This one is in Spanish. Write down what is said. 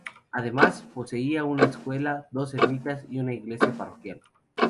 Además, poseía una escuela, dos ermitas y una iglesia parroquial.